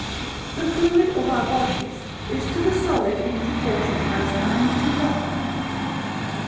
The fluid of our bodies is to the solid in proportion as nine to one.